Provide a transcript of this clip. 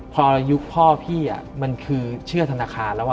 พอยุคพ่อพี่มันคือเชื่อธนาคารแล้ว